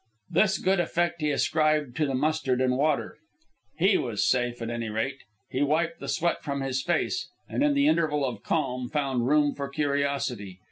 This good effect he ascribed to the mustard and water. He was safe, at any rate. He wiped the sweat from his face, and, in the interval of calm, found room for curiosity.